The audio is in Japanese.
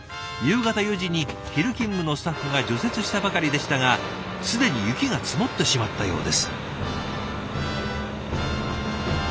夕方４時に昼勤務のスタッフが除雪したばかりでしたがすでに雪が積もってしまったようです。